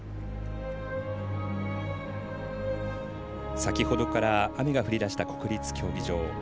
先ほどから雨が降りだした国立競技場。